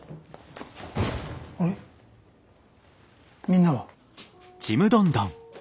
みんなは？